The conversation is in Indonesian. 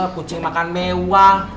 kucing makan mewah